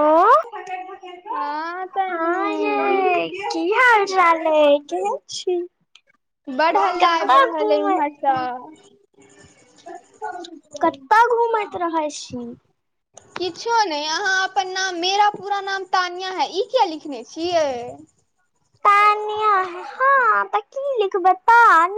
आय हँ हँ तनू येै की हाल -चाल [unintelligible] अइ केहेत छी बड हल्ला आइब कतऽ रहल ऐइ घुमै उम्हर सँ कतऽ घूमैत रहै छी किछो नैय आहाँ अपन नाम मेरा पूरा नाम तानिया है ई किया लिखने छियै तानिया हँ त की लिखबै पान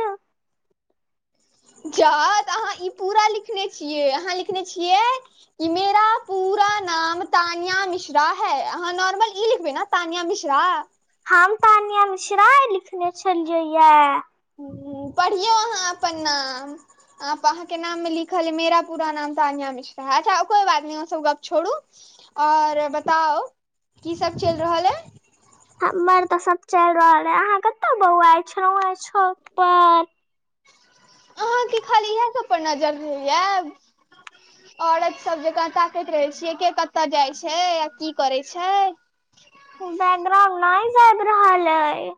जाऽ तऽ आहाँ ई पूरा लिखने छियै आहाँ लिखने छियै कि मेरा पूरा नाम तानिया मिश्रा है अहाँ नॉर्मल ई लिखबे न तानिया मिश्रा हम तानिया मिश्राए लिखने छलियै ये हू पढ़ियौ आहाँ अपन नाम आ आहाँ के नाम मे लिखल ह मेरा पूरा नाम तानियी मिश्रा है अच्छा कोई बात नै ओ सब गप छोड़ू। और बताउ की सब चल रहल अय। हमर तऽ सब चल रहल हे अहाँ कतौ बौआइ छेलौ आ छौत पर। अहाँके खाली इएह सब पर नजर रहइ याए। औरत सब जकाँ ताकैत रहे छियै के कतऽ जाइ छै की करे छै। बैकग्राउंड नहि जाइब रहल अय।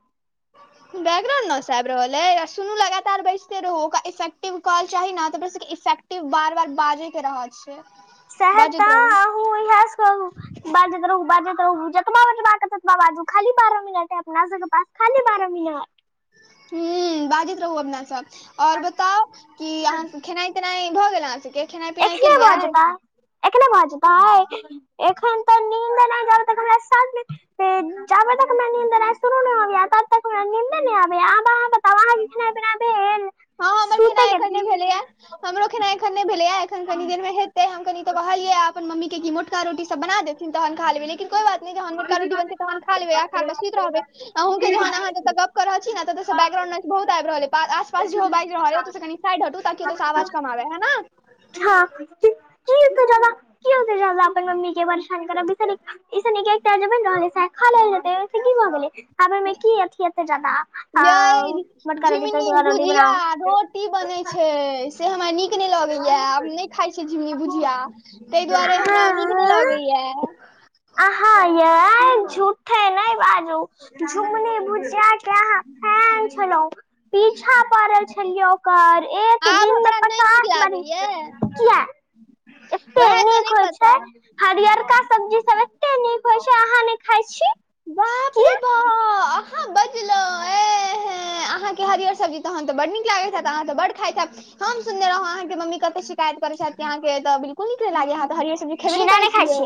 बैकग्राउंड न सा आब रहल है सुनू लगातार बैजते रहु ओकरा इफ्किटिव। कल चाही न त सब इफेक्टिव बार बार बाजे के रहल छै। बाजैत रहू सहैतऽ आू इहास कहू। बाजैत रहु बाजैत रहु जतबा बाजू खाली बारह मिनट रहतै अपना पास खाली बारह मिनट। ह बाजैत रहू अपना सब आओर बताउ कि अहाँ खेनाइ -तेनाइ। भऽ गेल अहाँ सभके खेनाइ पिनाइ एखने भऽ केलिए। जेतै एखने भजताइ एखन त नींद नहि जब तक। त जब तक मे नीन्द शुरू नहि हो गय तब तक नीन्द न आबबहाँ। त आँह के खेनाइ -पिनाइ भेल। हँ हमर केेना सुतै एखन नहि भेलैया हमरो केेना एखन नहि भेलैया एखन कनी देर में। ते हम कनी त कहलै अपन मम्मी के मोटका रोटी सब बना देथिन तहन खा लेबै। कोइ बात न छै तन खा ले आ खा के सुति रहबै अँकेहाँ। तऽ ब्र बहुत आग्र रहल ए। आसपास जे बाइज रहै ओ त के कनि साइड हटू ताकि ओ त से आवाज कम आबे ह ने। हँ कीक जेना। अपन मम्मी के बर छान करै भार। ईसन नीक एकटा जे बइन रहल अय स खा लेल जेतइ की जेते। हँ मे की अथि एते जदा यै मोटका रोटी त रोटी बना। की बनै छै से हमरा नीक नहि लगैया आ नहि खाइ छीै झिमुनी भुझिया। ताहि दुआरे हमरा नीक नहि लगैया। हँ यै झूठे नहि बाजू। झुमनी भुजिया के आँहा फेज़ छेलो पीछा पड़ल छलियौ। कर एक आब दिन मे हमरा नहि नीक पचास बार लागैया किया। वएह तऽ नहि पता। हरियर का सब्जी सब। अहाँ नहि खाइ छी। बाप रे किया। बा अहाँ बजलहुँ ए अहाँके हरिअर सब्जी तहन तऽ बड्ड नीक लागैत ह अहाँ तऽ बड्ड खाइत हैब। हम सुनने रहौं अहाँके ममी कत शिकायत करे छथि अहाँके तऽ। कोन नीक लागै अहाँऽ हरिअर सब्जी खेबे नय खीरा कर नहि खाइ छियै।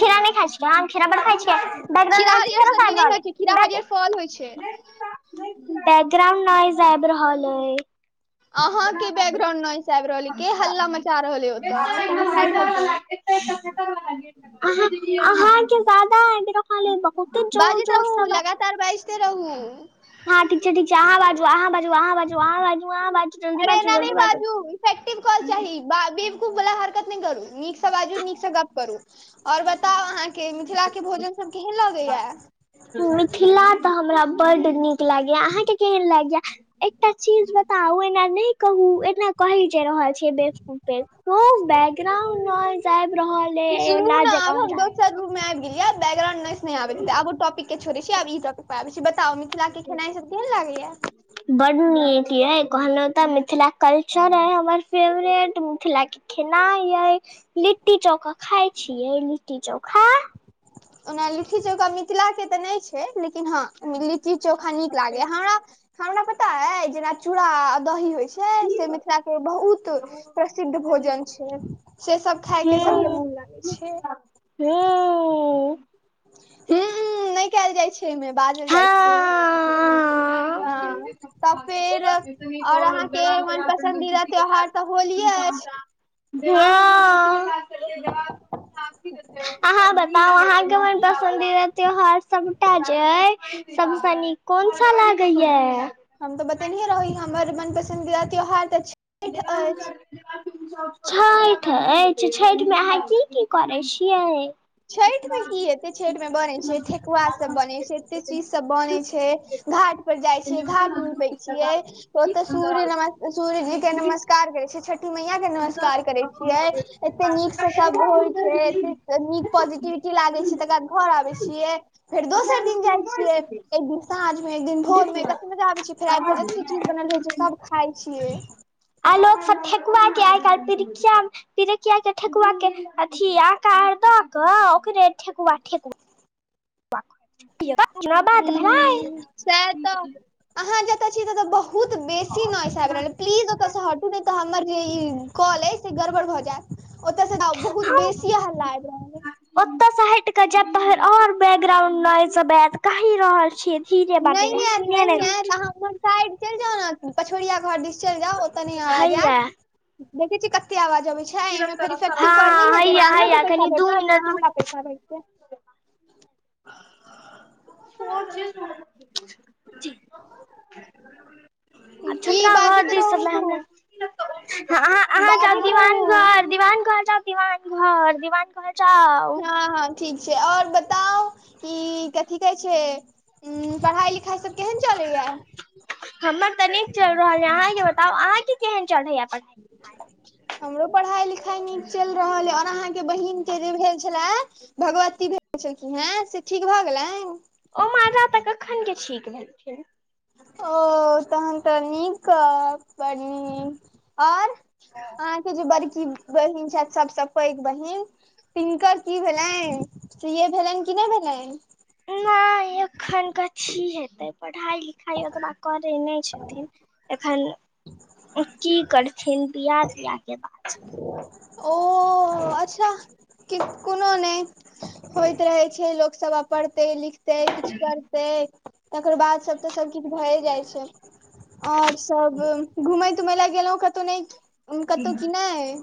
खीरा नहि खाइ छियै आ खीरा बड खाइ छियै। [unintelligible] खीरा हरियर सब्जी नहि होइ छै खीरा हरियर फल होइ छै बैकग्राउंड नाइज आइब रहल अय। अहा के बैकग्राउंड न आबि रहल है के हल्ला मचा रहल है ओतऽ कनि साइड हटू। आँह आहां के जादा आइब रहल अई। ओतब जोर जोर सबै। तार बइजे त रहू। हँ ठीक छै ठीक छै। ह बाजू अहाँ बाजू, बाजू अहाँ, बाजू अहाँ, बाजू जल्दी अरे बाजू, एना नहि जल्दी बाजू। इफेक्टिव कॉल चाही बा बेवकूफ बला हरकत नहि करु नीक से बाजू नीक से गप करु और बताउ अहाँ के मिथिला के भोजन सब केहन लगैया? मिथिला तऽ हमरा बड्ड नीक लागैए अहाँके केहन लागैया? एकटा चीज बताउ एना ने कहु एना कहे जे रहल छी बेवकूफ अइ खूब बैग्राउंड नॉइस आइब रहल है एना जे कह चाचू। बैकग्रांडाइ नॉइस नहि अबैत हेतेई आब ओ टॉपिक के छोड़य छी आब ई टॉपिक पर आबैय छी बताऊ मिथि थीला के खेनाइ सब केहेन लागैया? बड नीक यै कहलहु तऽ मिथिला कल्चर अइ हमर फेवरेट मिथिला खेनाय यै लिट्टी चोखा खाय छीय लिट्टी चो ओना लिट्टी चौका मिथिला के तऽ नहि छै। लेकिन हँ लिची चोखा नीक लागेया हमरा हमरा पता अइ जेना चूड़ा दही होइ छै से मिथिला के बहुत प्रसिद्ध भोजन छै से सब खाय के सबके मोन लागे छे। हुम्म। हुम्म नहि कयल जाइ छै एहिमे बाजल जाइ हा छै हँ। तऽ फेर और अहाँके मन पसन्दीदा त्यौहार तऽ होलिये अछि। हँ। अहाँ बताउ अहाँके मन पसन्दीदा त्योहार सबटा जे अइ सबस नीक कोन सा लागे या? हम तऽ बतेनेहे रही हमर मन पसंन्दीदा त्योहार तऽ छ [inaudible] छैठ अछि छठि मे अहाँ की की करै छियै? छैठ में की हेते छठि मे बन छै ठेकुआ सब बन छै एते चीज सब बन छै। घाट पर जाइ छियै घाट नीपे छियै ओते सूर्य नमस सूर्यजी के नमस्कार कार करय छियै छठी मैया के नमस्कार करे छियै एते नीक से सब होइ छै एते नीक प पॉजिटिविटी लागे छै तकर बाद घर आबे छियै फेर दोसर दिन जाइ छियै। दिन साँझ मे एक दिन भोर में कते मजा आबे छिय फेर आब के जते चीज बनल रहे छै सब खाय छियै। आ लोक सब ठेकुआ के आइ काल्हि परिकिया मे पिरिया के ठेेकुआके अथि आकार द क अ ओकरे ठकुआ ठेकु हु बात भेलै सेह तऽ अहाँ जतऽ छी ततऽ बहुत बहुत बेसी नॉइस आइब रहल प्लीज ओतयसँ हटू नहि तऽ हमर जे ई कॉल अइ से गड़बड़ भऽ जायत। ओतऽ से जाउ बहुत बेसीये हल्ला आइब रहल अइ। ओतय से हट कऽ जायब तहन और बैकग्राउंड नॉइस सब ऐत। कहि रहल छीये धीरे अइ बजाय नहि ला आयत सुइने नहि रहल आयत छै। अहाँ उम्हर साइड चलि जाउ ने पछोरिया घर दिस चलि जाउ ओतऽ नहि आबज हैया ऐत। देखै छी कते आवाज बै छै एहिमे फेर इफेक्टिव कॉल नहि हँ हेतै ने ना हैया अहाँके हैया पैसा कनि दू भेटत ना मिनट हमरा रुकू पैसा भेटते। [inaudible] आ की छोटाका घर बाजैत दीस सबमे रहू हमरा अहाँ सब बाजैत दीवान रहू घर दीवान घर जाउ दीवान घर दीवान घर जाउ। हँ हँ ठीक छै आओर बताउ ई कथी कहै छै ह पढ़ाई लिखाई सब केहन चलैया? हमर तऽ नीक चल रहल य अहाँके बताउ अहाँके केहन चढ़ैया पढा हमरो परहाई लिखाई नीक चैइल रहल अइ, और अहाँके के बहिन के जे भेल छलैऽ भगवती भेल छलखिन हैं से ठीक भऽ गेलैन? ओ माजा तऽ कखन के ठीक भेलखिन। ओ तहन तऽ नीक कअब, बड नीक। और? अहॉं जे बरकी बहिन छाइत सबसऽ पैघ बहिन तिनकर की भेलैन? सीे ए भेलैन की नैय भेलैन? नैय एखन कथी हेतै? पढ़ाइ-लिखाइ ओतबैऽ करै नैय छथिन। एखन की करथिन? बिया तिया के बात ओऽ। ओ अच्छा, के-कुनो नैय होइत रहै छै, लोक सब आब पर्हतै लिख तै, किछ करतै, तकर बाद सब तऽ सब किछ भए जाइ छै और सब घूमैय- तुमैय लए गेलौ कतौ नै कतौ की नै?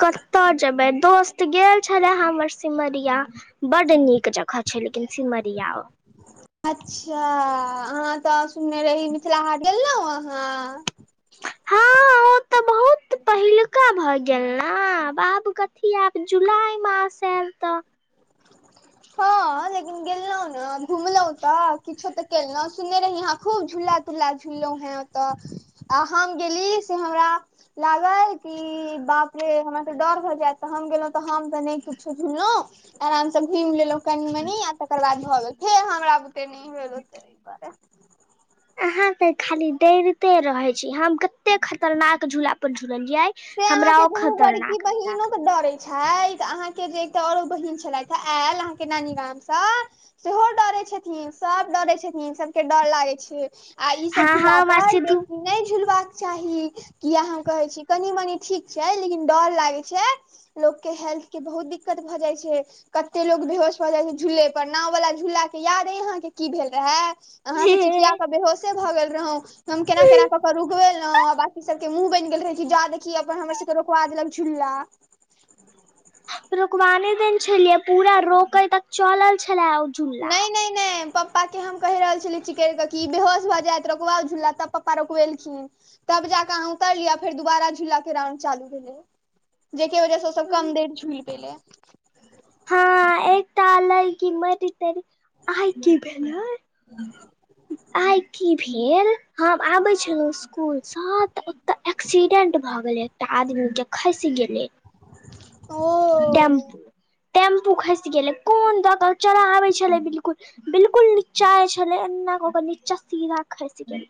कतय जेबै दोस्त गेल छले हमर सिमरिया। बड्ड नीक जगह छैय लेकिन सिमरिया। अच्छा अहाँ तऽ सुनने रही मिथला हाट गेलौं अहाँ। हँ ओ [inaudible] तऽ पहिलका भए गेल न आब कथी आब जुलाई मास एल तऽ हँ लेकिन गेलो ने घुमलहुं तऽ किछो ते केलहु सुनने रही अहाँ खूब झूला झूला झुललौ हेंँ ओतऽ आ हम गेली से हमरा। लागल कि बाप रे हमर तऽ डर भऽ जेएत तऽ हम गेलौ तऽ हम तऽ नै किछो झुललौ। आराम सँ - घुइम लेलौं कनि-मनि आ तकर बाद भऽ गेल फेर हमरा बुते नैय भेल ओत्ते अय दुआरे। अहाँ तऽ खाली डैरते रहै छी हम कत्ते खतरनाक झूला पर झूललयियै। से अहाँके दुनू बड़की बहिनो के डरै छैयथ आहाँ के जे एकटा औरो बहिन छेलैथि हे एल आहाँ के नानी गाम सँ? सेहो डरै छथिन सब डरै छथिन सबके डर लागै छै। आ ई सब हँ झूला हँ पर मासी धू बेसी नै झूलवाक चाही किया हम कहेै छी। कनी मनी ठीक छै लेकिन डर लागे छै लोक के हेल्थ के बहुत दिक्कत भऽ जाइ छै। कते लोक बेहोश भऽ जाइत छै झूले पर, नाव वला झूला के याद अइ अहाँ के की भेल रहे। अहाँ हे तऽ चिटिया पर बेहोशे भऽ गेल रहौं हम केना केना कऽ कऽ रुकवेलौं आ बाकी सबके मुंह बइन गेल रहै कि जा देखी अपन हमर सबके रोकवा देलक झूल्ला। रुकवाने देन छेलियै पूरा रोकै तक चलल छेलै ओ झूला नैय-नैय नहि पप्पा के हम कहि रहल छलियै चिकेर क कि बेहोश भऽ जायत रुकबौ झूला तब पप्पा रोकवेलखिन। तब जाके आहाँ उतर लिय फेर दुबारा झूला के राउंड चालू भेलै जेहिके वजह सँ- तऽ कनदेर झूल गेल आ। हाँ एकटा लइकी मैर [unintelligible] आइ की भेलै आइ की फेर हम आबै छेलौ स्कूल सँ तऽ ओते एक्सीडेंट भअ गेलेै। आदमी के खसि गेलै। ओ टेम्पू टेम्पू खइस गेलै कोन दऽकऽ चरा आबै छेलै बिल्कुल बिल्कुल नीचाए छेलै एन्ना कऽ-कऽ नीचा सीधा खैस गेलै।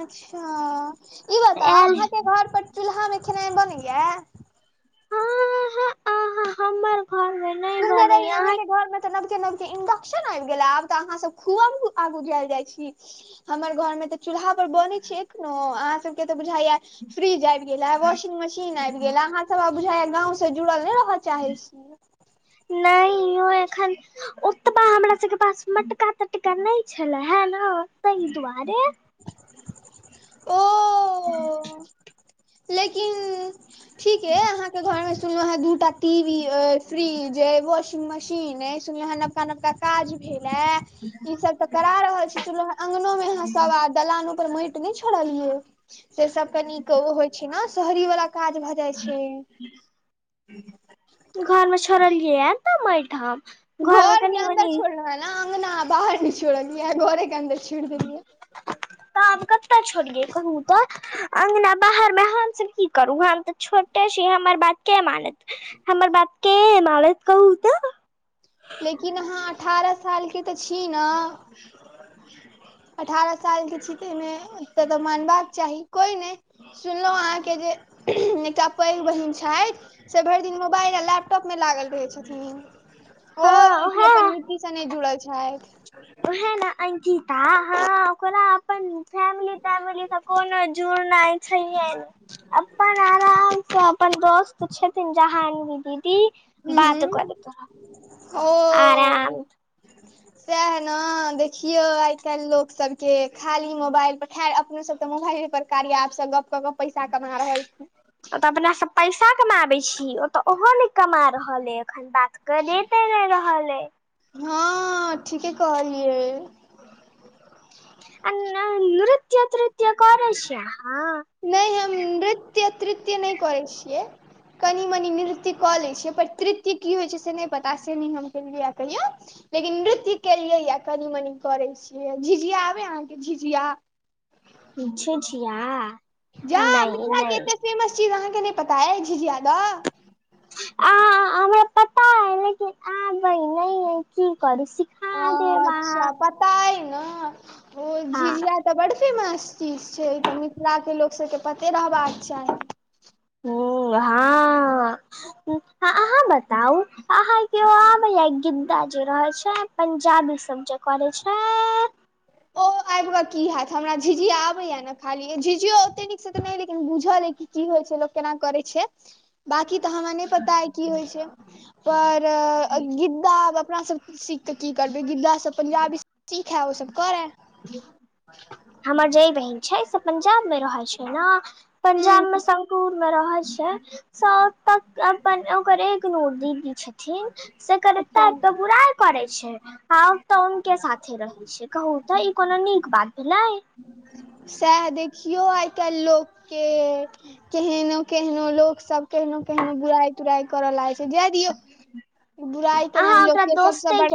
अच्छा ई गेलै बताउ आयल आहाँ के घर पर चूल्हा मे खेनाय बनैया? हँ हँ अ हमर घर में कहने रही अहाँके घरमे तऽ नबके-नबके इंडक्शन आइब गेला आब तऽ अहाँ सब खुआब आगू जैल जाइ छी। हमर घर में तऽ चूल्हा पर बनै छै एखनो अहाँ सब के तऽ बूझाय या फ्रिज आइब गेल ए वाशिंग मशीन आइब गेल आ आहाँ सब अब। बुझाइयै गाँंव से जुड़ल नैय रहऽ चाहै छी। नैय ओ एखन। ओतबा हमरा सबके पास मटका-तटका नैय छेलै है न तय दुआरे ओ। [unintelligible] लेकिन ठीके अहाँके घर में सुनलौं हैं दूटा टीवी अइ, फ्रिज अइ, वॉशिंग मशीन अइ सुनलौं हैं नब नबका-नबका काज भेलै ई सब तऽ करा रहल छी सुनलौं हैं अंगनो में अहाँ सब आद दलानो पर मइट नैय छोड़लियै से सब कनिक ओ होइ छै न शहरी वला काज भऽ जाय छै। घर मे छोड़लियै ये तऽ मैट हम। घर मे घऽरके कनि अन्दर मनि छोइर रहल न? अंगना बाहर नै छोड़लियै, घऽरे के अन्दर छोइड़ देलियै। [inaudible] तऽ आब कत्ता छोड़ियै, कहू तऽ? अंगना बाहर में हमसब की करू? हम त छोटे छी, हमर बात के मानत? हमर बात के मारत, कहू तऽ? लेकिन अहाँ अठारह सालके तऽ छी न? अठारह साल के छी तैइ में तब तऽ मानबाक चाही, कोइ नैय। सुनलौं अहाँ के जे एकटा पैघ बहिन छैथ से भैर दिन मोबाइल आ लैपटॉप में लागल रहैय छथिन। ओहो हँ ई उहे अपन मिट्टी स नै जुड़ल छैइथ। ओहैऽ न अंकिता? हं ओकरा अपन फैमिली तैमिली स कोनो जुड़नाय छैहे ने, अपन आराम स अपन दोस्त छथिन जहानबी दीदी बात करैत रहब, आराम ह [unintelligible] सैह न देखियौ आइ काल्हि लोक सबके, खाली मोबाइल पर, खैर अपनो सब तऽ मोबाइले पर र्काया ऐप स गप कऽ क पैसा कमा रहल छी। ओ तऽ अपना सब पैसा कमाबै छी, ओ तऽ ओहो नै कमा रहल अइ। अखन बात क देते नैय रहल अइ। हँ, ठीके कहलियै। आ न-नृत्य तृत्य करै छियै अहाॅं? नैय हम नृत्य तृत्य नैय करै छियै, कनी मनी नृत्य त्य कऽ लै छियै, पर तृत्य की होइ छै? से नैय पता से नैय हम केलियै यैऽ कहियो। लेकिन नृत्य केलियै यैऽ, कनी मनी करै छियै, झिझिया आबै यैऽ अहाँके झिझिया? झिझिया? जा नहि मिथिला के नहि एते फेमस चीज अहाँके नैय पता अइ झिझया द? आ हमरा पता अइ लेकिन आबै नै यैऽ, कि करु? सि ॲंऽ अच्छा पता अइ न? ओ हँ झिझिया तऽ बड्ड फेमस चीज छैय, ई तऽ मिथिला के लोक सबके पते रहबाक चाही। ओ हाॅं। अहाँ बताउ अहाँ के ओ आबैयैऽ गिद्दा जे रहैय छै? पंजाबी सब जे करै छै? ओ आइब कऽ की हैत? हमरा झिझिया आबैया ने खाली, झिझियो ओते नीक स तऽ नैय लेकिन बुझल अइ कि कि होइ छैय? लोक केना करै छै? बाकी तऽ हमा पता ये की होइ छै, पर गिद्दा अपना सब सीख के की करबै, गिद्दा सभ पंजाबी सीखै, ओसभ करै। हमर जे बहिन छैय से पंजाब मे रहै छै ने पंजाब मे हूँ शंकुर मे रहै छै, सब त‌ अपन ओकर एक ओ दीदी छथिन से एकर एता [unintelligible] अच्छा आब के बुरा करे छै आ ओतऽ हुनके साथे रहे छै, कहू तऽ ई कोनो नीक बात भेलै। सएह देखियौ आइ काल्हि लोकके। केहनो केहनो लोक सब केहनो केहनो बुराई तुराई करऽ लागै छै। जाय दियौ, बुराई केनाई अहाँ लोक ओकरा के सबसे दोस्ते बड़